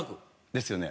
ですよね。